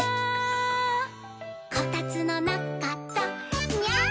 「こたつのなかだニャー」